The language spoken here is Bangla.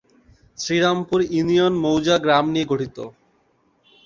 শ্রীরামপুর ইউনিয়ন মৌজা/গ্রাম নিয়ে গঠিত।